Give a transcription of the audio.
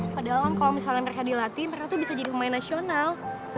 padahal kalau misalnya mereka dilatih mereka tuh bisa jadi pemain nasional